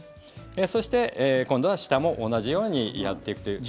そして、今度は下も同じようにやっていくという。